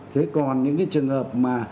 thế còn những cái trường hợp mà